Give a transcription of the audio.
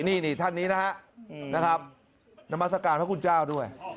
นี่ท่านนี้นะครับนามัศกาลพระคุณเจ้าด้วย